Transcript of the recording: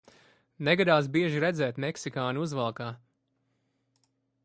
Negadās bieži redzēt meksikāni uzvalkā.